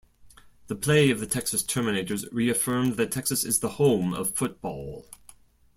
The play of the Texas Terminators reaffirmed that Texas is the home of football.